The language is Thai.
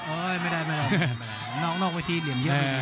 เออไม่ได้ไม่ได้นอกเวทีเหลี่ยมเยอะ